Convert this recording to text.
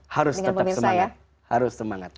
harus tetap semangat